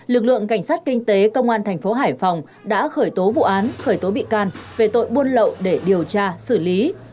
lực lượng cảnh sát kinh tế công an thành phố hải phòng đã khởi tố vụ án khởi tố bị can về tội buôn lậu để điều tra xử lý